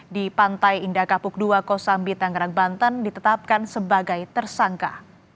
di pantai indah kapuk dua kosambi tangerang banten ditetapkan sebagai tersangka